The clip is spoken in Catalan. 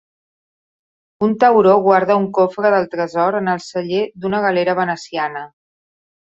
Un tauró guarda un cofre del tresor en el celler d'una galera veneciana.